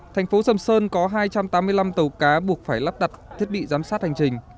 thành phố sầm sơn có hai trăm tám mươi năm tàu cá buộc phải lắp đặt thiết bị giám sát hành trình